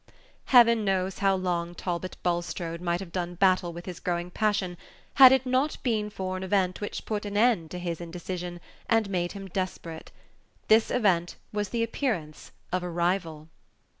Heaven knows how long Talbot Bulstrode might have done battle with his growing passion had it not been for an event which put an end to his indecision, and made him desperate. This event was the appearance of a rival.